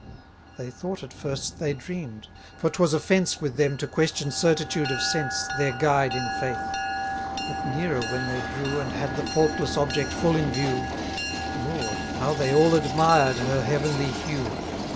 They thought at first they dream'd; for 'twas offence With them to question certitude of sense, 540 Their guide in faith: but nearer when they drew, And had the faultless object full in view, Lord, how they all admired her heavenly hue!